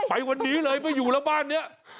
ไปวันนี้เลยไม่อยู่แล้วบ้านนี้